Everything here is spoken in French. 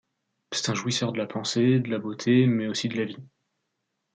C'est un jouisseur de la pensée, de la beauté mais aussi de la vie.